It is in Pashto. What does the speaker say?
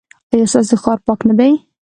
ایا ستاسو ښار پاک نه دی؟